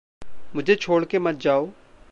मुझे छोड़ के मत जाओ!